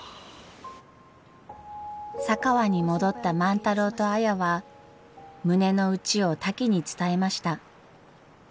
佐川に戻った万太郎と綾は胸の内をタキに伝えました。